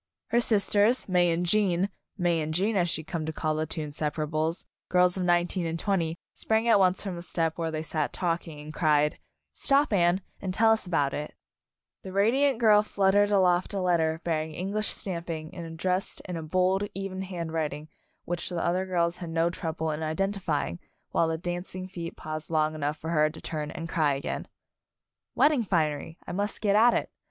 Her sis ters, May and Gene, "May'n'gene" as she had come to call the "two inseparables," girls of nineteen and twenty, sprang at once from the step where they sat talking Anne's Wedding and cried, "Stop, Anne, and tell us about it I" The radiant girl fluttered aloft a letter bearing English stamping and addressed in a bold, even hand writing which the other girls had no trouble in identifying, while the dancing feet paused long enough for her to turn and cry again : "Wedding finery! I must get at it!